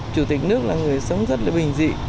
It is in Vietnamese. chủ tịch nước là người sống rất là bình dị